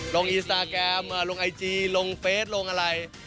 ลงอินสตาแกรมลงไอจีลงเฟสลงอะไร